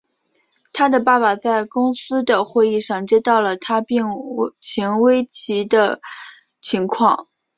他的爸爸在公司的会议上接到了他病情危机的情况。